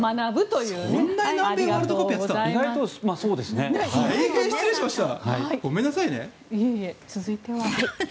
いえいえ、続いては。